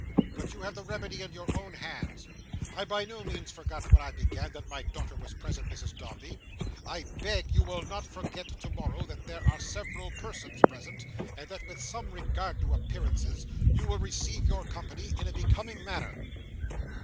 But you have the remedy in your own hands. I by no means forgot, when I began, that my daughter was present, Mrs Dombey. I beg you will not forget, to morrow, that there are several persons present; and that, with some regard to appearances, you will receive your company in a becoming manner."